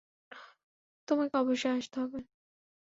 তোমাকে অবশ্যই আসতে হবে।